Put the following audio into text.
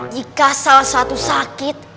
jika salah satu sakit